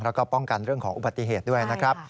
แล้วก็ป้องกันเรื่องของอุบัติเหตุด้วยนะครับ